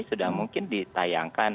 sudah mungkin ditayangkan